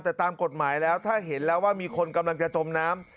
แต่ตามกฎหมายแล้วถ้าเห็นแล้วว่ามีคนกำลังจะจมน้ำ